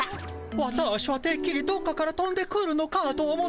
ワターシはてっきりどっかからとんでくるのかと思ってました。